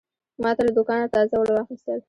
ما له دوکانه تازه اوړه واخیستل.